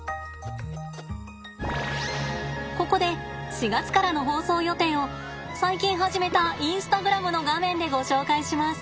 ここで４月からの放送予定を最近始めたインスタグラムの画面でご紹介します。